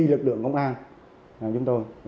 lực lượng công an chúng tôi